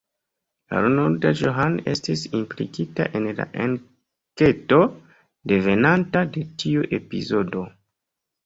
Arnold Johan estis implikita en la enketo devenanta de tiu epizodo.